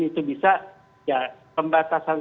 di perusahaan yang lebih rendah